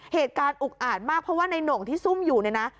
เหตุการณ์อุกอ่านมากเพราะว่าในหน่งที่ซุ่มอยู่เนี่ยนะ